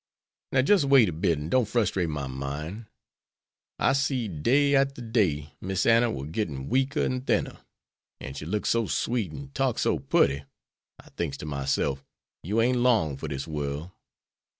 "Now, jes' wait a bit, and don't frustrate my mine. I seed day arter day Miss Anna war gettin' weaker and thinner, an' she looked so sweet and talked so putty, I thinks to myself, 'you ain't long for dis worl'.'